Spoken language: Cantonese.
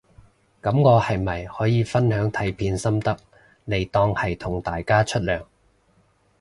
噉我係咪可以分享睇片心得嚟當係同大家出糧